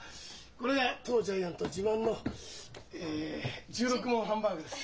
これが当ジャイアント自慢のえ１６文ハンバーグです。